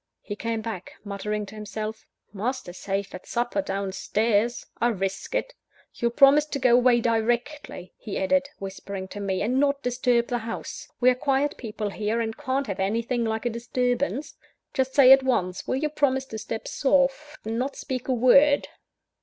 He came back, muttering to himself: "Master's safe at supper down stairs I'll risk it! You'll promise to go away directly," he added, whispering to me, "and not disturb the house? We are quiet people here, and can't have anything like a disturbance. Just say at once, will you promise to step soft, and not speak a word?"